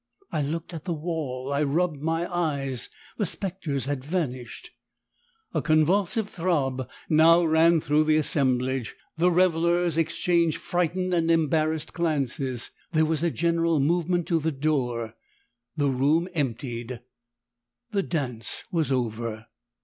I looked at the wall, I rubbed my eyes the spectres had vanished! A convulsive throb now ran through the assemblage, the revellers exchanged frightened and embarrassed glances, there was a general movement to the door, the room emptied, the dance was over.